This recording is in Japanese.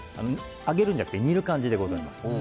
揚げるんじゃなくて煮る感じでございます。